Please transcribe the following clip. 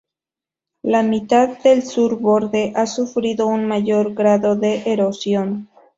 La mitad sur del borde ha sufrido un mayor grado de erosión.